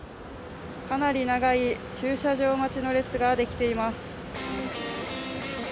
かなり長い駐車場待ちの列ができています。